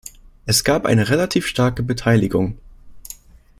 Es gab eine relativ starke Beteiligung.